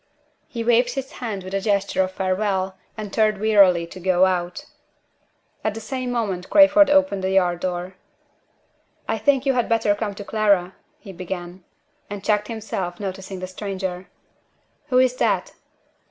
_" He waved his hand with a gesture of farewell, and turned wearily to go out. At the same moment Crayford opened the yard door. "I think you had better come to Clara," he began, and checked himself, noticing the stranger. "Who is that?"